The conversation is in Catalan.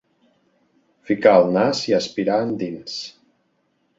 Ficar el nas i aspirar endins.